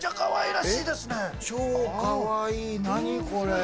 超かわいい何これ。